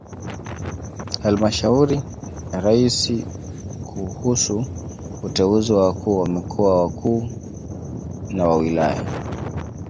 Humshauri Raisi kuhusu uteuzi wa wakuu wa mikoa wakuu na wa wilaya